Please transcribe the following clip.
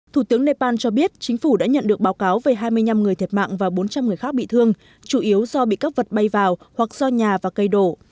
thủ tướng nepal cho biết chính phủ đã nhận được báo cáo về hai mươi năm người thiệt mạng và bốn trăm linh người khác bị thương chủ yếu do bị các vật bay vào hoặc do nhà và cây đổ